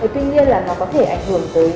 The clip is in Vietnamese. tuy nhiên là nó có thể ảnh hưởng tới